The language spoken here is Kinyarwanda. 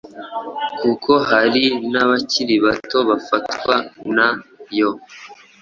kuko hari n’abakiri bato bafatwa na yo